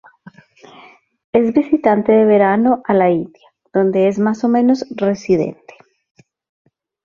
Es visitante de verano a la India, donde es más o menos residente.